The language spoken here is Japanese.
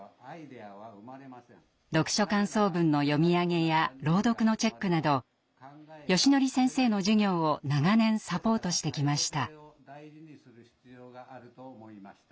読書感想文の読み上げや朗読のチェックなどよしのり先生の授業を長年サポートしてきました。